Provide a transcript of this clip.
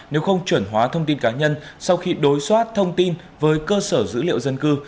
nếu không chuẩn hóa thông tin cá nhân sau khi đối soát thông tin với cơ sở dữ liệu dân cư